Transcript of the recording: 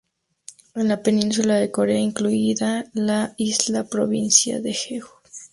En la península de Corea, incluida la isla-provincia de Jeju.